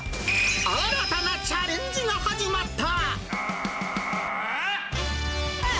新たなチャレンジが始まった。